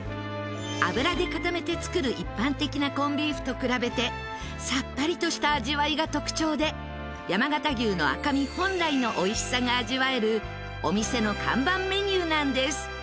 脂で固めて作る一般的なコンビーフと比べてさっぱりとした味わいが特徴で山形牛の赤身本来のおいしさが味わえるお店の看板メニューなんです。